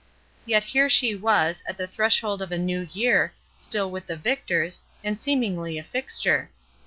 Yet here she was, at the threshold of a new year, still with the Victors, and seemingly a fixture.